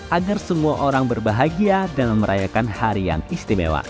agar semua orang berbahagia dalam merayakan harian istimewa